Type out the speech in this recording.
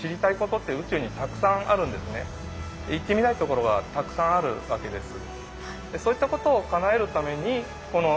行ってみたいところはたくさんあるわけです。